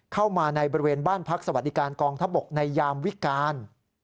เข้ามาในบริเวณบ้านพักสวัสดิการกองทัพบกในยามวิการ